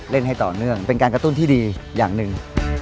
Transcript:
เล่นให้ต่อเนื่องเป็นการกระตุ้นที่ดีอย่างหนึ่ง